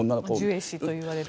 ジュエ氏といわれる。